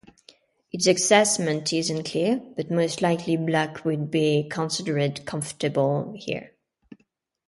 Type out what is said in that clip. Its assessment is unclear, but most likely Black would be considered "comfortable" here.